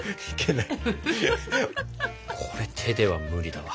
これ手では無理だわ。